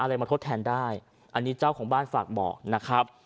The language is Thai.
อะไรมาทดแทนได้อันนี้เจ้าของบ้านฝากบอกนะครับ